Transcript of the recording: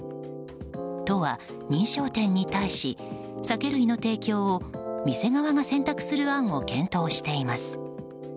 都は認証店に対し酒類の提供を店側が選択する案を検討しています。